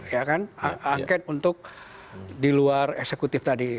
ya kan angket untuk di luar eksekutif tadi